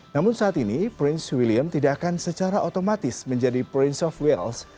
namun saat ini prince william tidak akan secara otomatis menjadi prince of wales